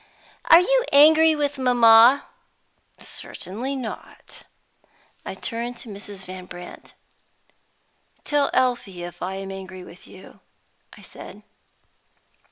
"Are you angry with mamma?" "Certainly not." I turned to Mrs. Van Brandt. "Tell Elfie if I am angry with you," I said.